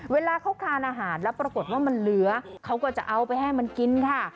เวลาเขาคลานอาหารแล้วปรากฏว่ามันเหลือเขาก็จะเอาไปให้มันกินค่ะ